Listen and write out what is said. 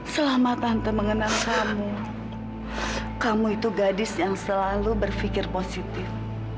selamat tante mengenang kamu kamu itu gadis yang selalu berpikir positif